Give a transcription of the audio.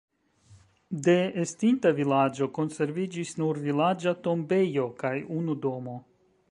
De estinta vilaĝo konserviĝis nur vilaĝa tombejo kaj unu domo.